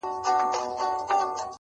له کلونو له عمرونو یې روزلی-